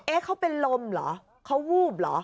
เขาเป็นลมเหรอเขาวูบเหรอ